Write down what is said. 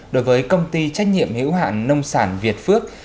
đối với công ty trách nhiệm hữu hạn nông sản việt phước